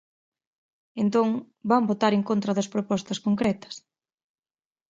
Entón, van votar en contra das propostas concretas.